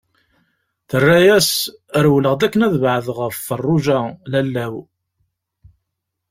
Terra-as: Rewleɣ-d akken ad beɛdeɣ ɣef Feṛṛuǧa, lalla-w.